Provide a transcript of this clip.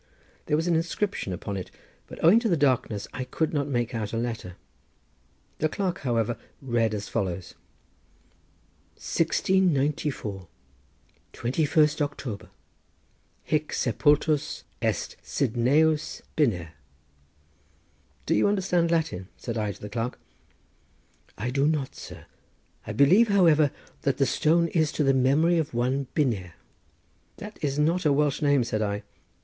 There was an inscription upon it, but owing to the darkness I could not make out a letter. The clerk however read as follows. 1694. 21 Octr. Hic Sepultus Est. Sidneus Bynner. "Do you understand Latin?" said I to the clerk. "I do not, sir; I believe, however, that the stone is to the memory of one Bynner." "That is not a Welsh name," said I.